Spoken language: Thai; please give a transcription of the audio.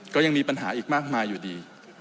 ก็ยังมีปัญหาอีกมากมายอยู่ดี